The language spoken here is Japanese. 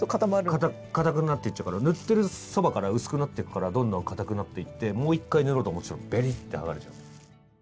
塗ってるそばから薄くなっていくからどんどん硬くなっていってもう一回塗ろうと思うとベリッて剥がれちゃう。